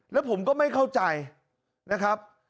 แล้วผมก็ไม่เข้าใจนะครับ